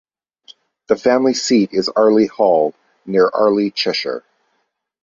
The family seat is Arley Hall, near Arley, Cheshire.